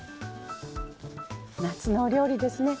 夏のお料理ですね。